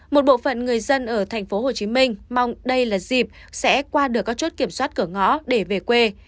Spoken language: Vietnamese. một bộ phận người dân ở tp hcm mong đây là dịp sẽ qua được các chốt kiểm soát cửa ngõ để về quê